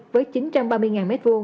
với chín trăm ba mươi m hai